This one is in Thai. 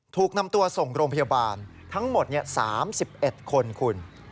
ถูกนำตัวส่งโรงพยาบาลทั้งหมด๓๑คนคุณ